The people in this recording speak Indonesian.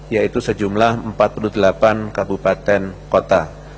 yaitu sejumlah empat puluh delapan kabupaten kota